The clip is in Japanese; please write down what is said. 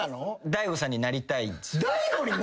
大悟になりたい。